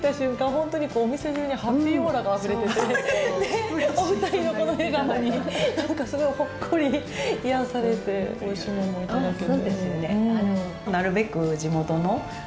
本当にお店中にハッピーオーラがあふれててお二人のこの笑顔に何かすごいほっこり癒やされておいしいものいただけて。